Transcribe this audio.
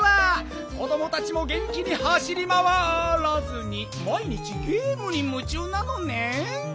子どもたちもげんきにはしりまわらずにまい日ゲームにむちゅうなのねん。